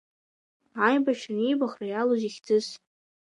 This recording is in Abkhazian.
Аибашьра-нибахра иалоузеи хьӡыс!